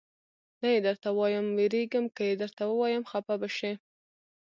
نه یې درته وایم، وېرېږم که یې درته ووایم خفه به شې.